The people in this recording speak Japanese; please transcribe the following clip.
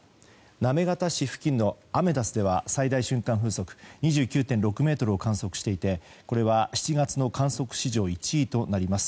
行方市付近のアメダスでは最大瞬間風速２９．６メートルを観測していてこれは７月の観測史上１位となります。